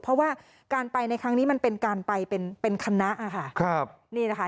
เพราะว่าการไปในครั้งนี้มันเป็นการไปเป็นคณะค่ะ